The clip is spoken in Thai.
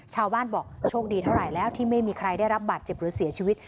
ชาวบ้านบอกโชคดีเท่าไหร่แล้วที่ไม่มีใครได้รับบาดเจ็บหรือเสียชีวิต